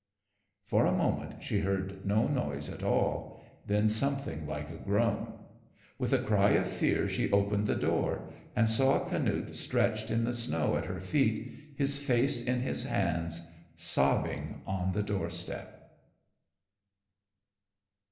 For a moment she heard no noise at all, then something like a groan. With a cry of fear she opened the door, and saw Canute stretched in the snow at her feet, his face in his hands, sobbing on the door step.